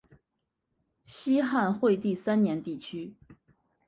西汉惠帝三年地区。